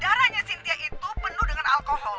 caranya sintia itu penuh dengan alkohol